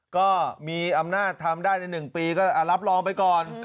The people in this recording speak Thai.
ก็มีอำนาจทำได้ใน๑ปีก็รับรองไปก่อน